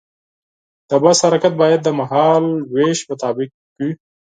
د بس حرکت باید د مهال ویش مطابق وي.